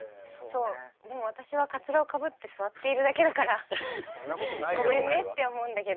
でも私はカツラをかぶって座っているだけだからごめんねって思うんだけど。